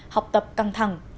học tập căng thẳng